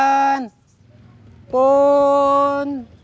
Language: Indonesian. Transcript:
jangan selalu nangkep